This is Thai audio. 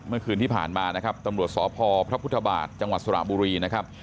เมื่อคืนที่ผ่านมานะครับตำรวจสพพระพุทธบาทจังหวัดสระบุรีนะครับ